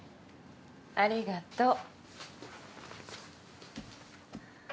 ありがとう。